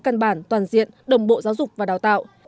căn bản toàn diện đồng bộ giáo dục và đào tạo